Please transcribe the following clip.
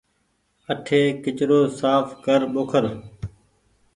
اٺي ڪچرو ساڦ ڪر ٻوکر۔